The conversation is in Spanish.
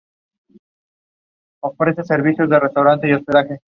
Los problemas de dependencias de software se pueden resolver de distintas maneras.